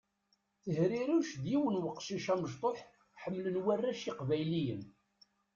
Tehriruc d yiwen weqcic amectuḥ ḥemlen warrac iqbayliyen.